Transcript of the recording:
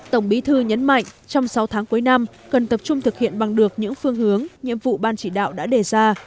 tổng bí thư nhấn mạnh trong sáu tháng cuối năm cần tập trung thực hiện bằng được những phương hướng nhiệm vụ ban chỉ đạo đã đề ra